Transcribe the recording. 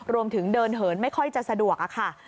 รวมถึงเดินเหินไม่ค่อยจะสะดวกค่ะ